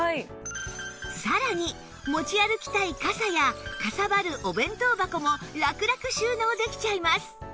さらに持ち歩きたい傘やかさばるお弁当箱もラクラク収納できちゃいます